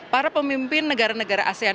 para pemimpin negara negara asean